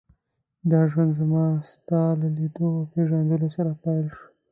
دا ژوند زما ستا له لیدو او پېژندلو سره پیل شو.